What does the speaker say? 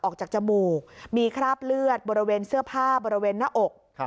จมูกมีคราบเลือดบริเวณเสื้อผ้าบริเวณหน้าอก